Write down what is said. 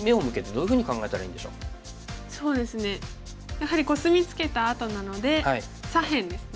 やはりコスミツケたあとなので左辺ですね。